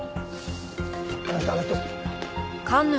あの人あの人。